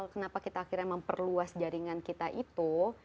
kenapa kita akhirnya memperluas jaringan kita itu